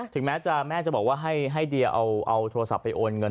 ถึงแม่จะแม่จะบอกว่าให้ให้เดียเอาเอาโทรศัพท์ไปโอนเงิน